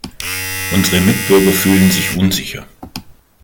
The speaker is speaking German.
Unsere Mitbürger fühlen sich unsicher.